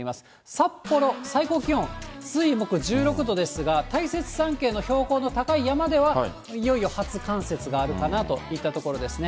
札幌、最高気温、水、木、１６度ですが、大雪山系の標高の高い山では、いよいよ初冠雪があるかなといったところですね。